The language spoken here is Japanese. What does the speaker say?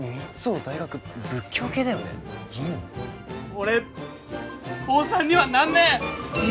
俺坊さんにはなんねえ！